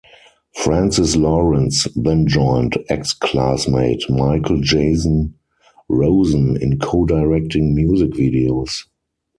Francis Lawrence then joined ex-classmate Michael Jason Rosen in co-directing music videos.